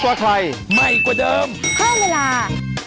เวลา